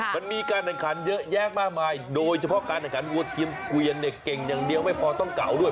มันมีการแข่งขันเยอะแยะมากมายโดยเฉพาะการแข่งขันวัวเทียมเกวียนเนี่ยเก่งอย่างเดียวไม่พอต้องเก่าด้วย